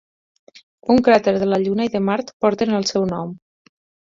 Un cràter de la Lluna i de Mart porten el seu nom.